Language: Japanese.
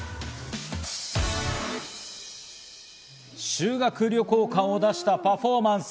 修学旅行感を出したパフォーマンス。